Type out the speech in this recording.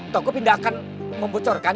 togop indah akan membocorkan